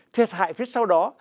thiệt hại phía sau đó